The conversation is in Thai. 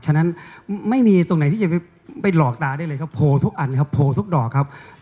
ฉะนั้นไม่มีตรงไหนที่จะไปหลอกตาได้เลยครับโพลทุกอันครับโพลทุกดอกครับ